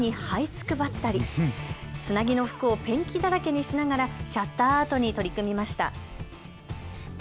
つなぎの服をペンキだらけにしながらシャッターアートに取り組みました。